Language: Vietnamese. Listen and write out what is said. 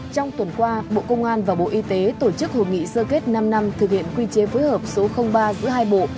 trong tuần qua bộ công an và bộ y tế tổ chức hội nghị sơ kết năm năm thực hiện quy chế phối hợp số ba giữa hai bộ